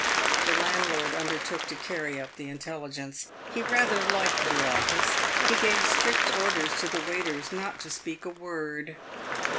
The landlord undertook to carry up the intelligence. He rather liked the office. He gave strict orders to the waiters not to speak a word.